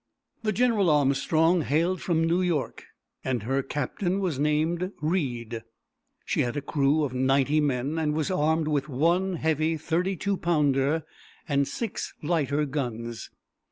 The General Armstrong hailed from New York, and her captain was named Reid. She had a crew of ninety men, and was armed with one heavy 32 pounder and six lighter guns.